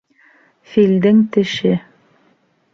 Филдең теше